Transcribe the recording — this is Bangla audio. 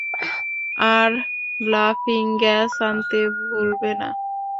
আর লাফিং গ্যাস আনতে ভুলবে না।